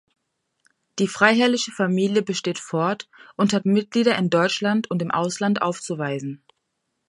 Die freiherrliche Familie besteht fort und hat Mitglieder in Deutschland und im Ausland aufzuweisen.